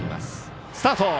スタート！